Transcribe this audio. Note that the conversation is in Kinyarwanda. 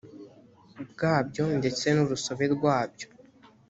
bwabyo ndetse n urusobe rwabyo